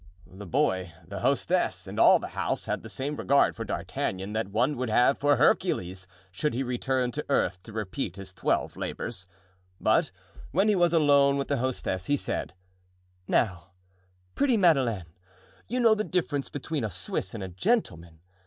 The boy, the hostess, and all the house had the same regard for D'Artagnan that one would have for Hercules should he return to earth to repeat his twelve labors. But when he was alone with the hostess he said: "Now, pretty Madeleine, you know the difference between a Swiss and a gentleman.